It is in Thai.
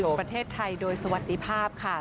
ประเทศไทยโดยสวัสดีภาพค่ะ